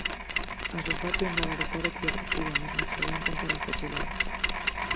Ansu Fati andaba de quero polo partido e mesmo chegou a intentar esta chilena.